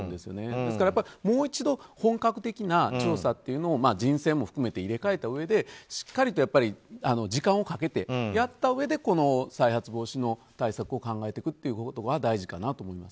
ですからもう一度本格的な調査を人選も含めて、入れ替えたうえでしっかりと時間をかけてやったうえでこの再発防止の対策を考えていくことが大事かなと思います。